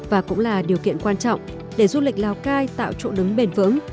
và cũng là điều kiện quan trọng để du lịch lào cai tạo chỗ đứng bền vững